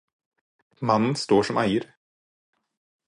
Mannen står som eier.